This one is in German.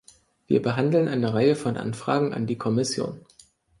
Wir behandeln eine Reihe von Anfragen an die Kommission.